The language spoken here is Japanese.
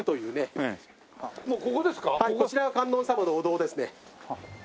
はいこちら観音様のお堂ですね。